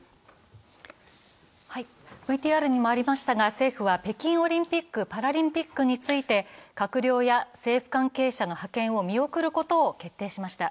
政府は北京オリンピック・パラリンピックについて閣僚や政府関係者の派遣を見送ることを決定しました。